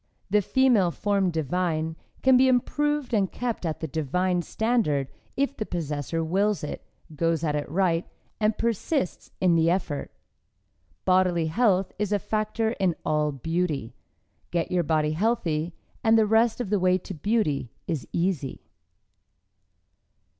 The "female form divine" can be improved and kept at the "divine" standard if the possessor wills it, goes at it right and persists in the effort. Bodily health is a factor in all beauty. Get your body healthy, and the rest of the way to beauty is easy.